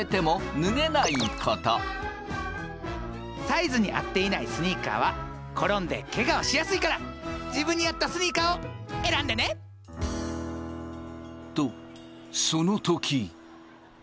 サイズに合っていないスニーカーは転んでけがをしやすいから自分に合ったスニーカーを選んでね！とその時。